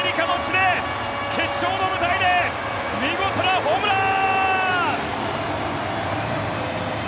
このアメリカの地で決勝の舞台で見事なホームラン！